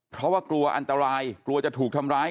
เพราะว่ากลัวอันตรายกลัวจะถูกทำร้าย